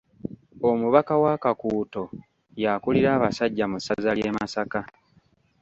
Omubaka wa Kakuuto y'akulira abasajja mu ssaza lye Masaka.